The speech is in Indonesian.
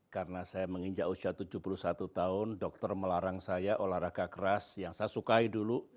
karena saya menginjak usia tujuh puluh satu tahun dokter melarang saya olahraga keras yang saya sukai dulu